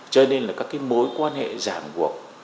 cho nên là các mối quan hệ giảm cuộc